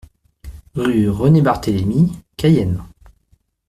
Rue René Barthélémi, Cayenne